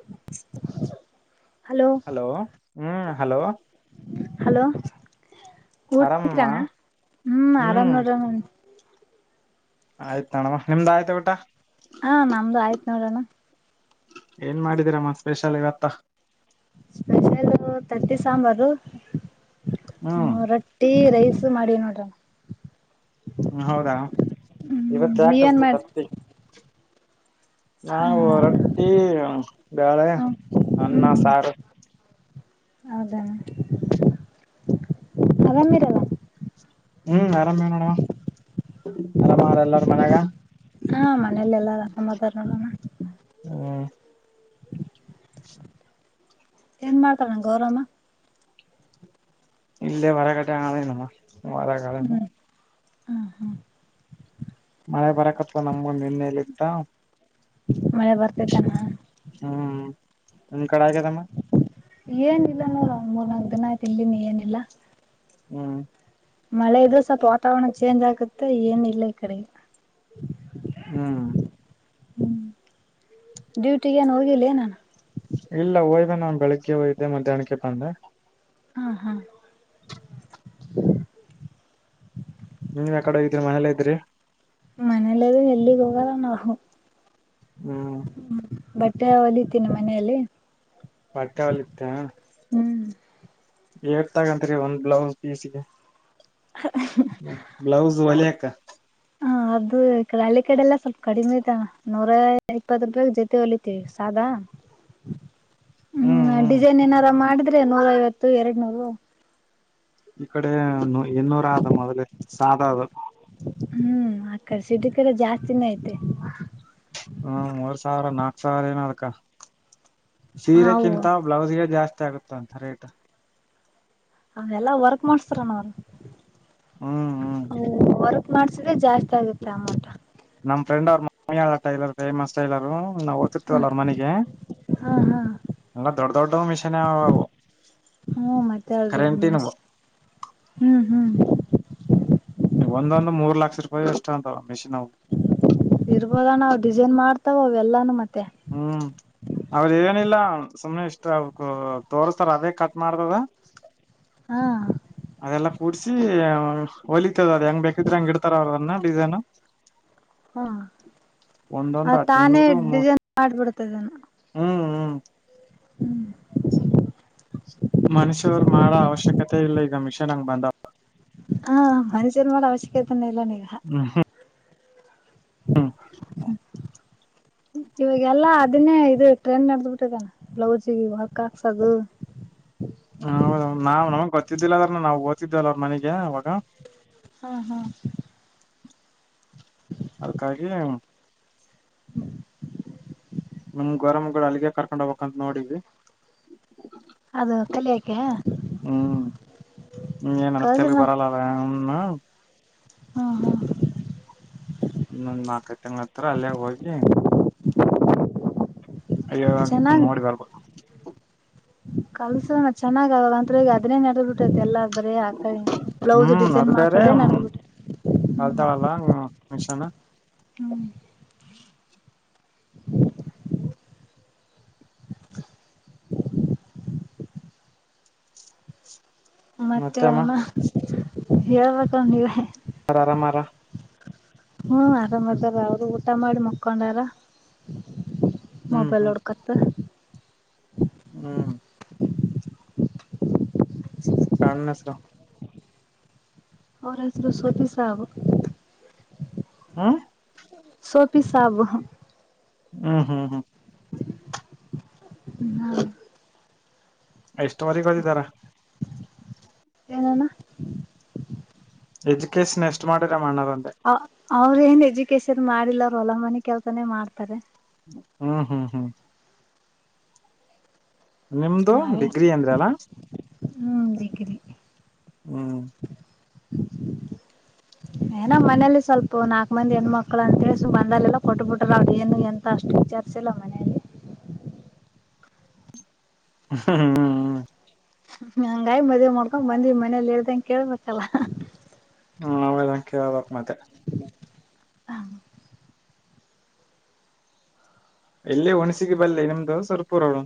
[inaudible] Hello ಹ್ಮ್ hello hello ಆರಾಮಮ್ಮ ಊಟತ್ರಣ್ಣ ಹ್ಮ್ ಆರಾಮ್ ನೋಡ್ರ ಆಯ್ತು ನಣಮ್ಮ ನಿಮ್ದ ಆಯ್ತಾ ಊಟ ಹಾ ನಮ್ದು ಆಯ್ತ್ ನೋಡೋಣ ಏನ್ ಮಾಡಿದೀರಮ್ಮ ಸ್ಪೆಷಲ್ ಇವತ್ತ ಸ್ಪೆಷಲ್ ತಟ್ಟಿ ಸಾಂಬಾರು ಹ್ಮ್ ರ ಟೀ ರೈಸ್ ಮಾಡೀ ನೋಡ್ರ ಹ ಹೌದಾ ಹ್ಮ್ ಇವತ್ ನೀವೇನ್ ಯಾಕತು ಮಾಡ ತಪ್ತಿ ನಾವು ರೊಟ್ಟಿ ಬೇಳೆ ಅನ್ನ ಹ್ಮ್ ಸಾರು ಹೌದಾ ಆರಾಮಿರಲ್ಲ ಹ್ಮ್ ಆರಾಮೇ ನೋಡುವ ಆರಾಮಾರ ಎಲ್ಲಾರ ಮನೆಗೆ ಹಾ ಮನೇಲೆೆಲ್ಲ ಸಮಾಧಾರ ನೋಡಣ ಹ್ಮ ಏನ್ ಮಾಡ್ತಾರ ನಂ ಗೌರವ ಇಲ್ಲೇ ಹೊರಗಟ್ಟೆ ಆನಮ್ಮ ಹೊರ ಹ್ಮ್ ಹ್ಮ್ ಹ್ಮ್ ಮಳೆ ಬರಕತ್ವಾ ನಮ್ಗ ನಿನ್ನೆಲಿದ ಮಳೆ ಬರ್ತಿದ್ದಾನ ಹ್ಮ್ ನಿಮ ಕಡೆ ಆಗ್ಯದಮ್ಮ ಏನಿಲ್ಲ ನೋಡಣ್ಣ ಮೂರ್ನಾಾಲ್ಕು ದಿನ ಆಯತು ಇಲ್ಲಿನು ಏನಿಲ್ಲ ಹ್ಮ್ ಮಳೆ ಇದು ಸ್ವಲ್ಪ ವಾತಾವರಣ ಚೇಂಜ್ ಆಗುತ್ತೆ ಏನ ಇಲ್ಲ ಈ ಕಡೆಗೆ ಹ್ಮ್ ಹ್ಮ್ ಡ್ಯೂಟಿಗೆ ಏನ್ ಹೋಗಿಲ್ಲ ನಾನು ಇಲ್ಲ ಹೋಯ್ನಾ ಬೆಳಿಗ್ಗೆ ಹೋಯ್ದೆ ಮಧ್ಯಾಹ್ನಕ್ಕೆ ಬಂದೆ ಹಾ ಹಾ ಹ್ಮ ನೀನ್ಯ ಕಡೆ ಹೋಗಿದೀ ಮನೆಯಲ್ಲಿ ಇದ್ರಿ ಮನೇಲಿದು ಎಲ್ಲಿಗ್ ಹೋಗಲ್ಲ ನಾವು ಹ್ಮ್ ಹ್ಮ್ ಬಟ್ಟೆ ಹೊಲಿತೀನಿ ಮನೆಯಲ್ಲಿ ಪಟ್ಟಾವಲಿತ್ತ ಹ್ಮ್ ಏಟ್ ತಗಂತರಿ ಒಂದ್ ಬ್ಲೌಸ್ ಪೀಸ್ಗೆ ಬ್ಲೌಸ್ ಒಲಕ್ಕ ಹ ಅದು ಈ ಕ ಹಳ್ಳಿ ಕಡೆ ಎಲ್ಲ ಸ್ವಲ್ಪ ಕಡಿಮೆ ಆತ ನೂರ ಇಪ್ಪತ್ ರೂಪಾಯಾಗ ಜೊತೆ ಹೊಲಿತವಿ ಸಾದಾ [inaudible] ಹ್ಮ್ ಡಿಸೈನ್ ಏನಾರ ಮಾಡಿದ್ರೆ ನೂರ ಐವತ್ತು ಎರಡ್ ನೂರು ಈ ಕಡೆ ನೂರು ಇನ್ನೂರು ಆದ ಮೊದಲ ಸಾಧ ಆದ ಹ್ಮ್ ಆ ಕಡೆ ಸಿಟಿ ಕಡೆ ಜಾಸ್ತಿನೇ ಐತೆ ಹ್ಮ ಮೂರ್ ಸಾವಿರ ನಾಕ್ ಸಾವಿರ ಏನ ಅದಕ್ಕ ಹ ಅವು ಸೀರೆಕ್ಕಿಂತ ಅವರದೇ ಜಾಸ್ತಿ ಆಗುತ್ತ ಅಂತ ರೇಟ್. ಅವ ಎಲ್ಲಾ ವರ್ಕ್ ಮಾಡಸ್ತಾರ ನ ಅವ್ರ ಹ್ಮ ಹ ವರ್ಕ್ ಮಾಡ್ಸಿದ್ರೆ ಜಾಸ್ತಿ ಆಗುತ್ತೆ ಅಮೌಂಟ್ ನಮ್ಮ ಫ್ರೆಂಡ್ ಅವ್ರ ಮಮ್ಮಿ ಟೈಲರ್ ಫೇಮಸ್ ಟೈಲರು ನಾ ತವಲ್ಲ ಅವರ ಮನೆಗೆ ಹಾ ಹಾ ಅವು ದೊಡ್ದ ದೊಡ್ಡ ಮಿಷನ್ ಆವೆವು ಹ್ಮ್ ಮತ್ತಾರುಮೇಶ್ ಹ್ಮ್ ಹ್ಮ್ ಒಂದೊಂದು ಮೂರ್ ಲಕ್ಷ ರೂಪಾಯಿ ಎಷ್ಟ ಅಂತ ಮೆಷಿನ್ವು. ಇರ್ಬೋದಣ್ಣ ಅವ ಡಿಸೈನ್ ಮಾಡ್ತಾವ ಅವೆಲ್ಲಾನ ಮತ್ತೆ. ಹ್ಮ್ ಅವ್ರ ಏನಿಲ್ಲ ಸುಮ್ನೆ ಇಷ್ಟ ಅವಕ ತೋರ್ಸ್ತಾರ ಅದೇ ಕಟ್ ಮಾಡತದ ಹಾ ಅದೆಲ್ಲಾ ಕೂಡ್ಸಿ ಹೊಲಿತದ ಅದ್ ಹೆಂಗ್ ಬೇಕಿದ್ರೆ ಹಂಗ ಇಡ್ತಾರ ಅವ್ರನ್ನ ಡಿಸೈನು. ಹಾ ಒಂದೊಂದ್ ಆ ತಾನೇ ಹದ್ನೈನೂರು ಮೂರ್ ಡಿಸೈನ್ ಮಾಡಬಿಡ್ತದಾನ. ಹ್ಮ್ ಹ್ಮ್ [unintelligible] ಮನುಷ್ಯ್ರು ಮಾಡೋ ಅವಶ್ಯಕತೆ ಇಲ್ಲ ಈಗ ಮಿಷನ್ ಹಂಗ್ ಬಂದ ಹಾ ಮನಷರ ಮಾಡ ಅವಶ್ಯಕತನ ಇಲ್ಲ ನೀಗ. ಹ್ಮ ಹ್ಮ [inaudible] ಇವಾಗೆಲ್ಲಾ ಅದನ್ನೇ ಇದು ಟ್ರೆಂಡ್ ನಡದ್ ಬಿಟ್ಟತಣ ಬ್ಲೌಸ್ಗೆ ವರ್ಕ್ ಹಾಕ್ಸೋದು. ಹಾ ಹೌದ ನಾವ್ ನಮಗ್ ಗೊತ್ತಿದ್ದಿಲ್ಲ ಅದ್ರ ನಾವ್ ಓ್ತದ್ದವಲ್ಲ್ಲ ಅವ್ರ ಮನಗೆ ಅವಾಗ ಹ್ಮ ಹ್ಮ [inaudible] ಅದಕ್ಕಾಗಿ [inaudible] ನಮ್ ಗೊರಮಗಳು ಅಲ್ಲಿಗೆ ಕರ್ಕೊಂಡ್ ಹೋಗ್ಬೇಕಂತ ನೋಡವಿ. ಅದು ಕಲಿಯಕೆ ಹ್ಮ್ ಹ್ಮ್ ಕಲ್ಸಣ ಏನತಳ್ಗೆ ಬರಲ್ಲ. ನಾ ಅವನ್ನ ಹಾ ಹಾ ಇನ್ನೊಂದ್ ನಾಲ್ಕೈ ತಿಂಗ್ಳ್ ಹತ್ತ್ರ ಅಲ್ಲೇ ಹೋಗಿ. ಅಯ್ಯೋ ನೋಡಿ ಬರ್ಬೆಕ್ ಕ್ಮಸ್ ನ ಚೆನ್ನಾಗ ಅಂಗೆ ಅದನ್ನೇ ನೆಡ್ ಬಿಟ್ಟೈತಿ ಎಲ್ಲದ. ಬರೇ ಆಕ ಬ್ಲೌಸ್ ಡಿಸೈನ್ ಮಾಡ್ತದೆೇ ಏನ್ ಆದ ಅಳತಾಲಅಲ್ಲ ಮಿಷನ್ ಹ್ಮ ಮತ್ತೆ ಮತ್ತೆಮ್ಮ ಅಮ್ಮ ಹೇಳ್ಬೇಕಂದೆ ಅರರಾಮರ. ಹ್ಮ ಆರಾಮ್ದಾರ ಅವರು ಊಟ ಮಾಡಿ ಮುಕೊಂಡಾರ [unintelligible] ಹ್ಮ್ ಹ್ಮ್ ಮೊಬೈಲ್ ಹೊಡ್ಕ ಕತ್ತ ಹ್ಮ್ ಚಾಣ ನಸರ ಅವರ ಹೆಸರು ಸೋತಿ ಸಾಬ ಹ್ಮ್ಮ್ ಸೋಪಿ ಸಾಬು ಹ್ಮ್ ಹ್ಮ್ ಹ್ಮ್ ಹ್ಮ್ ಎಷ್ಟ ಮರೆ ಕೊಯ್ದಿದ್ದಾರೆ ಏನಾನ ಎಜುಕೇಶನ್ ಎಷ್ಟು ಮಾಡಿರ ಅಣದಂತೆೆ ಅವ್ರ ಏನ್ ಎಜುಕೇಶನ್ ಮಾಡಿಲ್ಲ ಅವ್ರು ಹೊಲ ಮನೆ ಕೆಲ್ಸಾನೇ ಮಾಡ್ತಾರೆ ಹ್ಮ ಹ್ಮ್ ಹ್ಮ್ ನಿಮ್ದು ಡಿಗ್ರಿ ಅಂದ್ರ ಅಲ್ಲಾ ಹ್ಮ ಡಿಗ್ರಿ ಹ್ಮ್ ಏನ ಮನೆಯಲ್ಲಿಲಿ ಸ್ವಲ್ಪ ನಾಲ್ಕ್ ಮಂದಿ ಹೆಣ್ಣ್ಮಕ್ಳು ಅಂತೇಳಳ್ಸು ಬಂದೆಲ್ಲ ಕೊಟ್ಬ ಬಿಟ್ರ ಅವದ ಏನು ಎಂತ ಅಷ್ಟು ಈಚ ಚಲ ಮನೆ ಹ್ಮ ಹ್ಮ ಹ ಗಾಯಿ ಮದ್ಮಾಡ್ಕೊಂಡ್ ಬಂದಿ ಮನೇಲಿ ಇ ಹೇಳ್ದಂಗ ಕೇಳ್ಬೇಕಲ್ಲ ಹ್ಮ ಅವಾಗ ಅಂಕಿ ಆಬಬೇಕಕ್ ಮತ್ತೆ ಹ ಎಲ್ಲೇ ಒಣ್ಸಿಗೆ ಬಲ್ಲೆ ನಿಮ್ದು ಸ್ವರ್ಪೂರಳು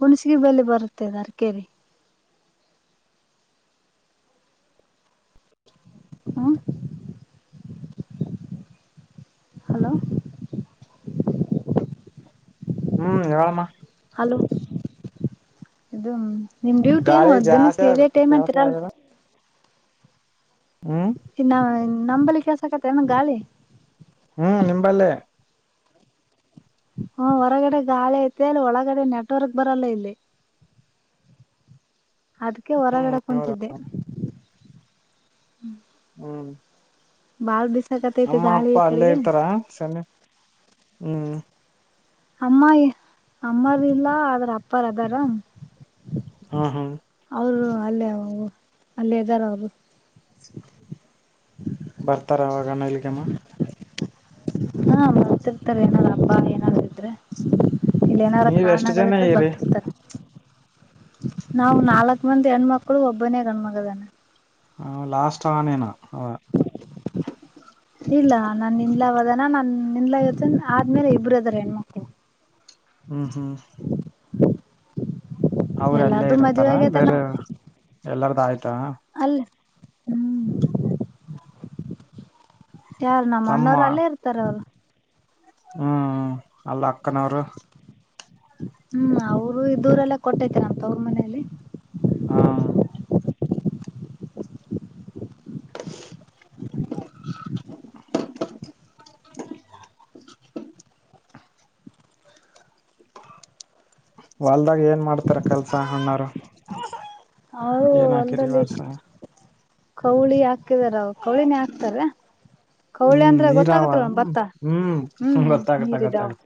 ಹುಣ್ಸಿಗೆ ಬೆಲೆ ಬರುತ್ತೆದ ಅರಕೇರಿ ಹ ಹಲೋ ಹ್ಮ್ ಹೇಳಳಮ್ಮ ಹಲೋ ಇ ನಿಮ್ ಡ್ಯೂಟಿ ಏನು ಗಾಳಿ ಒದ್ ದಿನಕ್ಕೆ ಇದೇ ಜಾಸ್ತಿ ಟೈಮ್ ಅಂತೀರಲ್ ಕೇಳಸಲಾಗದ ಹ್ಮ್ ಇನ್ನ ನಂಬಳ ಕೆಸ ಆಕತ್ತೆ ನಮ್ ಗಾಳಿ ಹ್ಮ್ ನಿಂಬಲ್ಲೆ ಹ ಹೊರಗಡೆ ಗಾಳಿ ಐತೆ ಅಲ್ಲಿ ಒಳಗಡೆ ನೆಟ್ವರ್ಕ್ ಬರಲ್ಲ ಇಲ್ಲಿ ಅದಕ್ಕೆ ಹೊರಗಡ ಹ್ಮ್ ಹೌದ ಕುಂತಿದ್ದೆ ಹ್ಮ್ ಬಾಲ್ ಬಿಸಾಗ ಅಮ್ಮ ಅಪ್ಪ ಅಲ್ಲೇ ಇರ್ತಾರ ಸ ಹ್ಮ್ ಅಮ್ಮ ಅಮ್ಮಾರ ಇಲ್ಲ ಆದದ್ರ ಅಪ್ಪಾರ ಅದಾರ ಹಾ ಹಾ ಅವರು ಅಲ್ಲೇ ಅಲ್ಲೇ ಇದ್ದಾರ ಅವರು ಬರ್ತಾರ ಅವಾಗಣ ಇಲ್ಗೆಮ್ಮ ಹಾ ಮತ್ತಿರ್ತಾರ ಏನಾರ ಅಪ್ಪಾ ಏನಾರ ಇದ್ರೆ ಇಲ್ಲ ಏನಾರ ನೀವ್ ಎಷ್ಟ್ ಜನ ಕಾರಣಗಳಿದ್ರೆ ಇರಿ ಬರ್ತಿಸರ್ತಾರೆ ನಾವು ನಾಲ್ಕ್ ಮಂದಿ ಹೆಣ್ಮಕ್ಳು ಒಬ್ಬನೇಗ ಗಣ್ಮಗದಾನ ಹ ಲಾಸ್ಟ್ ಆನೇನ ಅವ ಇಲ್ಲ ನಾ ನಿಂದ್ಲಾವದ ನಾ ನಿಂದ್ಲಯತ್ತ ಆದ್ಮೇಲೆ ಇಬ್ಬರು ಅದಾರ ಹೆಣ್ಮಕ್ಳು ಹ್ಮ್ ಹ್ಮ್ ಹ್ಮ ಅವ್ರಲ್ಲೇ ಇರುತ್ತಾರ ಆಗೇತಣ್ಣ ಬೇರೆ ಎಲ್ಲಾರ್ದ ಆಯ್ತ ಅಲ್ಲ ಹ್ಮ ಯಾರ ನಮ್ಮಣ್ಣವರು ಅಲ್ಲೇ ಇರ್ತಾರ ಅವ್ರು ಹ್ಮ್ ಅಲ್ಲ ಅಕ್ಕನವರು ಹೂ ಅವ್ರು ಇದ್ದ ಊರಲೇ ಕೊಟ್ಟೈತಿನ ಅಂತ ಅವರ ಮನೇೆಯಲ್ಲಿ [inaudible] ಹಾ [inaudible] [inaudible] [inaudible] ಹೊಲದಾಗ ಏನ್ ಮಾಡ್ತಾರ ಕೆಲ್ಸ ಅಣ್ಣಾರ? [inaudible] ಅವು ಹೊಲದಲ್ಲಿ ವರ್ಷ ಕೌಳಿ ಹಾಕಿದಾರ ಕೌಳಿನೇ ಹಾಕ್ತಾರೇ [inaudible] ಕೌಳಿ ಹ್ಮ್ ಅಂದ್ರೆ ನೀರಾವ ಗೊತ್ತಾಗತ್ತ ಬಿತ್ತ ಹ್ಮ್ ಹೂ ಗೊತ್ತಾಗತ್ತ ನೀರ್ ಇದಾವ [inaudible] ಗೊತ್ತಾಗತ್ತ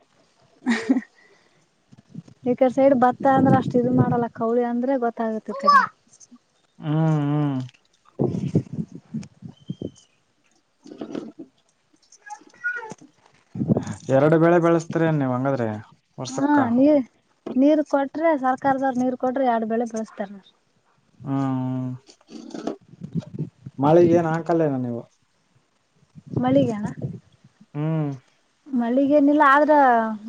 ಈ ಕಡೆ ಸೈಡ್ ಭತ್ತ ಅಂದ್ರೆ ಅಷ್ಟ್ ಇದು ಮಾಡಲ್ಲ ಕೌಳಿ ಅಂದ್ರೆ ಗೊತ್ತಾ ಆಗುತ್ತೆ ಈ ಕಡೆ. [inaudible] [unintelligible] ಹೂ ಹೂ [inaudible] [inaudible] [inaudible] ಎರಡ ಬೆೇಳೆ ಬೆಳಸ್ತರಿನ್ ನೀವ್ ಹಂಗಾದ್ರೆ. [inaudible] ಹಾ ನೀರ್ ನೀರ್ ಕೊಟ್ರೆ ಸರ್ಕಾರದವರು ನೀರ್ ಕೊಟ್ರೆ ಎರಡ ಬೆಳೆ ಬೇಳಸ್ತಾರ. [inaudible] ಹಾ ಹ [inaudible] [inaudible] ಮಳೆಗ ಏನ್ ಹಾಕಲ್ಲ ಏನ್ ನೀವು? [inaudible] ಮಳಿಗಾ? [inaudible] ಹೂ [inaudible] ಮಳಗೇ ಏನಿಲ್ಲ ಆದ್ರ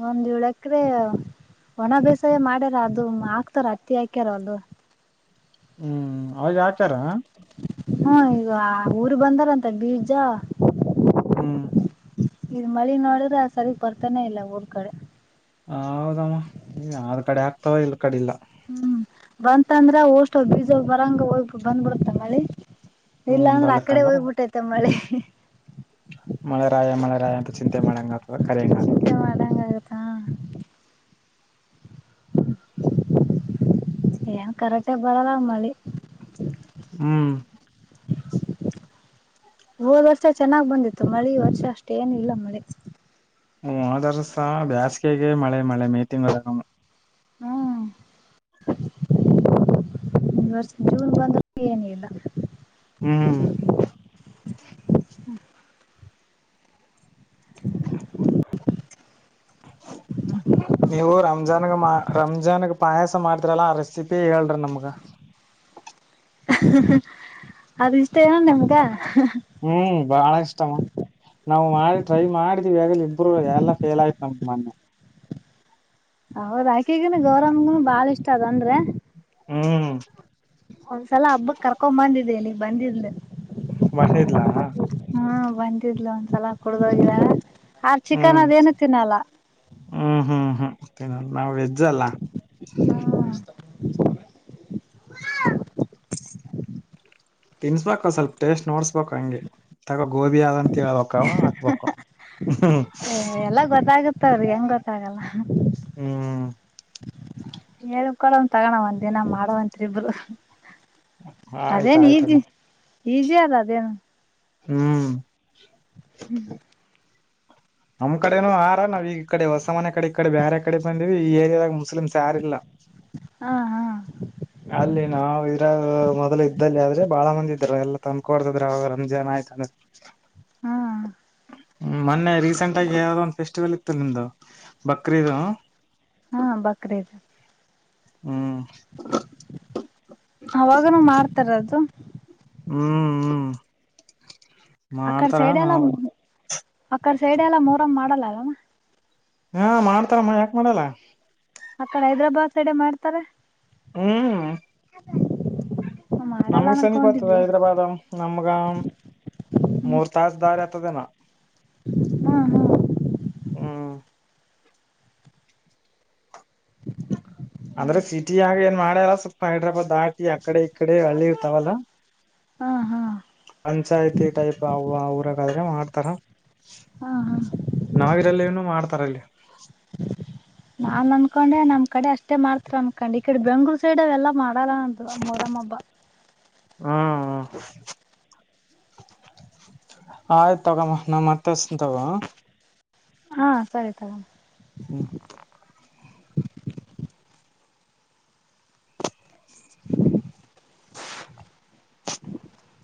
ಒಂದ್ ಏಳು ಎಕರೆ [inaudible] ಒಣ ಬೇಸಾಯ ಮಾಡ್ಯಾರ ಅದು ಹಾಕ್ತಾರ ಹತ್ತಿ ಹಾಕ್ಯಾರ ಅವರದು, [inaudible] ಹೂ ಅವಾರದ ಆತಾ ಸರ್? [inaudible] ಹ ಈಗ ಊರು ಬಂದಾರಂತ ಬೀಜಾ [inaudible] ಹೂ [inaudible] ಈ ಮಳಿ ನೋಡಿದ್ರೆ ಸರಿಗ್ ಬರ್ತಾನೆ ಇಲ್ಲ ಊರ್ ಕಡೆ. [inaudible] ಹೌದಮ್ಮ ಯಾದ ಕಡೆ ಆಗ್ತಾವ ಇಲ್ ಕಡೆ ಇಲ್ಲ. [inaudible] ಹೂ ಬಂತ ಅಂದ್ರ ಒಸಟ್ಟು ಬೀಜ ಬರಂಗ ಹೋಗ ಬಂದ್ಬಿಡತ್ತ ಮಳಿ. [inaudible] ಇಲ್ಲ ಹ್ಮ್ ಅಂದ್ರೆ ಆ ಕಡೆ ಬರ್ಲಕ್ಕಂದ್ರ ಹೋಗ್ಬಿಟ್ಟೈತೆ ಮಳಿ. [inaudible] ಮಳೆರಾಯ ಮಳೆರಾಯ ಅಂತ ಚಿಂತೆ ಮಾಡಂಗ್ತ ಕರಿಯಂಗ್ತದ. ಚಿಂತೆ [inaudible] ಮಾಡಂಗ ಆಗತ್ತ ಏನ್ ಕರೆಕ್ಟಗ ಬರಲ್ಲ ಮಳಿ. [inaudible] ಹೂ [inaudible] ಹೋದ್ ವರ್ಷ ಚೆನ್ನಾಗ ಬಂದಿತ್ತು ಮಳಿ ವರ್ಷ ಅಷ್ಟೇ ಏನಿಲ್ಲ ಮಳಿ. [inaudible] ಹೂ ಹೋದ ವರ್ಷ ಬೇಸ್ಗೆಗೆ ಮಳೆ ಮಳೆ ಮೇ ತಿಂಗಳ ಒಮ್ಮೆ [inaudible] ಹ್ಮ್ [inaudible] ಈ ವರ್ಷ ಜೂನ್ ಬಂದರ ಏನ ಇಲ್ಲ. [inaudible] ಹೂ [inaudible] ಹ [inaudible] [inaudible] [inaudible] ನೀವು ರಂಜಾನ್ಗ ಮಾ ರಂಜಾನ್ಗ ಪಾಯಸ ಮಾಡ್ತರಲ್ಲಾ ಆ ರೆಸಿಪಿ ಹೇಳ್ರಿ ನಮ್ಗ. [inaudible] ಅದ ಇಷ್ಟೇ ಏನ ನಿಮದ [inaudible] ಹೂ ಬಾಳ ಇಷ್ಟಮ್ಮ ನಾವು ಮಾಡಿ ಟ್ರೈ ಮಾಡಿದಿವಿ. [inaudible] ಇಬ್ರು ಎಲ್ಲ ಫೇಲ್ ಆಯ್ತ ನಮ್ಮ ಮನ್ [inaudible] ಅವರ ಆಕೆಗನ ಗೌರಮಗನು ಬಾಳ ಇಷ್ಟ ಅಂದರೆ. [inaudible] ಹೂ [inaudible] ಒಂದ್ಸಲ ಹಬ್ಬಕ್ ಕರ್ಕೊಂದಿ ಬಂದಿದ್ದಲ್ಲ. [inaudible] ಮಣ ಇದ್ಲಾ ಹಾ ಬಂದಿದ್ಲ ಒಂದ್ಸಲ ಕುಡ್ದೋಗಿರ ಹ್ಮ್ ಹ್ಮ್ ಹ್ಮ್ ಹ್ಮನ ನಾವ್ ವೆಜ್ ಅಲ್ಲಾ ಹಾ [unintelligible] ತಿನ್ನಿಸಬೇಕು ಸ್ವಲ್ಪ ಟೇಸ್ಟ್ ನೋಡ್ಸ್ಬೇಕು ಹಂಗೆ ತಗೋ ಗೋಬಿ ಆದಂತ ಕೆಳ್ಬೇಕವ ಹಾಕ್ಬೇಕು ಎಲ್ಲ ಗೊತ್ತಾಗುತ್ತೆ ಗೊತ್ತ ಅವಗೆ ಹೆಂಗ್ ಗೊತ್ತಾಗಲ್ಲಾ ಹ್ಮ್ ಹೇಳ ಕೋಳನ್ ತಗೋಣ ಒಂದ ದಿನ ಮಾಡವಂತ್ರಿ ಇಬ್ರು ಆಯ್ತ ಅದೇನು ಈಜಿ ಆಯ್ತಮ್ಮ ಈಜಿ ಅದ ಅದೇನು ಹ್ಮ್ ಹ್ಮ್ ನಮ್ ಕಡೆನೂ ಆರ ನಾವ್ ಈ ಕಡೆ ಹೊಸ ಮನೆ ಕಡೆ ಈ ಕಡೆ ಬ್ಯಾರೆ ಕಡೆ ಬಂದಿವಿ ಈ ಏರಿಯಾದಾಗ ಮುಸ್ಲಿಮಸ್ ಯಾರಿಲ್ಲಾ ಹಾ ಹಾ ಅಲ್ಲಿ ನಾವು ಇದ್ರಾಗ ಮೊದ್ಲು ಇದ್ದಲ್ಲಿ ಆದ್ರೆ ಬಾಳ ಮಂದಿ ಇದ್ರು ಎಲ್ಲಾ ತಂದ್ಕೋಡದ್ರು ಅವಾಗ ರಂಜಾನ ಆಯ್ತು ಅದ್ರ [unintelligible] ಹ್ಮ ಹ್ಮ ಮೊನ್ನೆ ರೀಸೆಂಟ್ ಆಗಿ ಯಾವ್ದೋ ಒಂದು ಫೆಸ್ಟಿವಲ್ ಇತ್ತು ನಿಮ್ದು ಬಕ್ರೀದು ಹಾ ಬಕ್ರೀದ ಹ್ಮ್ ಅವಾಗನೂ ಮಾಡ್ತಾರದು ಹ್ಮ್ ಹ್ಮ್ ಅಕ್ಕರೆ ಮಾಡ್ತಾರ ಸೈಡೆ ಎಲ್ಲ ನಾವು ಆಕಡೆ ಸೈಡ ಎಲ್ಲ ಮೊಹರಮ್ ಮಾಡಲ್ಲ ಅಲ್ಲವ ಹಾ ಮಾಡ್ತಾರಮ್ಮ ಯಾಕ್ ಮಾಡಲ್ಲಾ ಆ ಕಡೆ ಹೈದ್ರಾಬಾದ್ ಸೈಡ ಮಾಡ್ತಾರ ಹ್ಮ್ ಮಾಡಲ್ಲ ನಮಗ ಸಮಿಪ ಆಗತದ ಅನ್ಕೊಂಡಿದ್ವಿ ಹೈದ್ರಾಬಾದ್ ನಮಗ ಹ್ಮ್ ಮೂರ್ ತಾಸ ದಾರಿ ಆತದೇನೋ ಹಾ ಹಾ ಹ್ಮ್ ಅಂದ್ರೆ ಸಿಟಿಯಾಗಿ ಏನ್ ಮಾಡ್ಯಾರ ಸ್ವಲ್ಪ ಹೈದ್ರಾಬಾದ್ ದಾಟಿ ಆಕಡೆ ಕಡೆ ಹಳ್ಳಿ ಇರತಾವಲ್ಲ ಹಾ ಹಾ ಪಂಚಾಯ್ತಿ ಟೈಪ್ ಅವ ಊರಾಗಾದ್ರೆ ಮಾಡ್ತಾರ ಹಾ ಹಾ ನಾವ್ರಲ್ಲಲ್ಲಿ ಮಾಡ್ತಾರಲ್ಲಿ ನಾನ್ ಅನ್ಕೊಂಡೆ ನಮ್ ಕಡೆ ಅಷ್ಟೇ ಮಾಡ್ತರ ಅನ್ಕೊಂಡ್ ಈ ಕಡೆ ಬೆಂಗ್ಳೂರ್ ಸೈಡ್ ಅವ ಎಲ್ಲ ಮಾಡಲ್ಲ ಅಂತ ಅ ಮೊಹರಮ್ ಹಬ್ಬಾ ಹ್ಮ್ ಹ ಆಯ್ತತ್ ತಗೋಮ್ಮ ನಾ ಮತ್ತ ಹಸ್ತ ನ ತಗೋ ಮ್ಮ ಹಾ ಸರಿ ತೋ ಹ್ಮ್ [unintelligible]